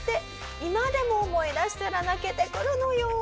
「今でも思い出したら泣けてくるのよ」。